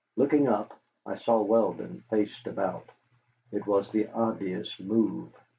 Looking up, I saw Weldon faced about. It was the obvious move.